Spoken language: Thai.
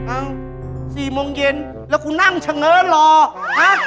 อ้าว๔โมงเย็นแล้วกูนั่งเฉง้อรอฮะ